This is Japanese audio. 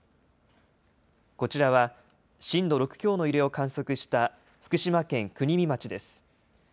こちらは震度６強の揺れを観測した福島県国見町です。